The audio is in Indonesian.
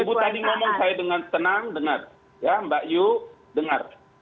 ibu dengar ya ibu tadi ngomong saya dengan tenang dengar ya mbak yu dengar